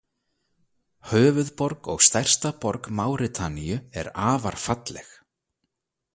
Höfuðborg og stærsta borg Máritaníu er afar falleg.